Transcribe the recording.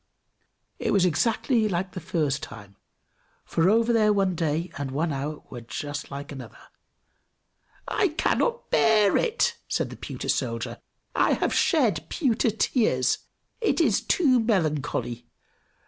it was exactly like the first time, for over there one day and hour was just like another. "I cannot bear it!" said the pewter soldier. "I have shed pewter tears! It is too melancholy!